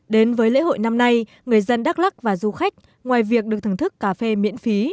đến với lễ hội năm nay người dân đắk lắc và du khách ngoài việc được thưởng thức cà phê miễn phí